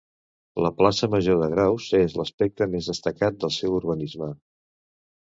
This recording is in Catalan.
La Plaça Major de Graus és l'aspecte més destacat del seu urbanisme.